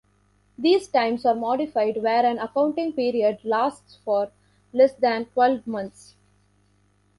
These times are modified where an accounting period lasts for less than twelve months.